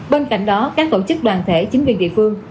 bên cạnh đó các tổ chức đoàn thể chính quyền địa phương